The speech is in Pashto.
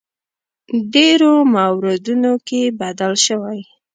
ډېرو موردونو کې بدل شوی.